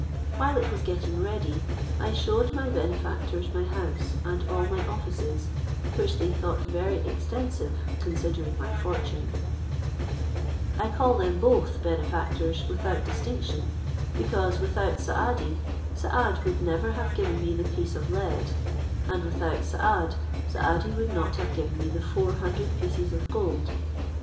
While it was getting ready, I shewed my benefactors my house, and all my offices, which they thought very extensive considering my fortune: I call them both benefactors without distinction, because without Saadi, Saad would never have given me the piece of lead; and without Saad, Saadi would not have given me the four hundred pieces of gold.